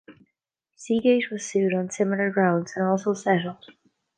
Seagate was sued on similar grounds and also settled.